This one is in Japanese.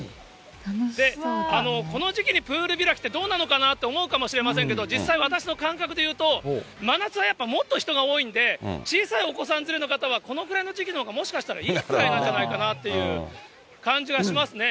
この時期にプール開きってどうなのかなって思うかもしれませんけれども、実際、私の感覚でいうと、真夏はやっぱもっと人が多いんで、小さいお子さん連れの方は、このくらいの時期のほうがもしかしたらいいくらいなんじゃないかなっていう感じはしますね。